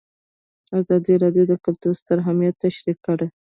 ازادي راډیو د کلتور ستر اهميت تشریح کړی.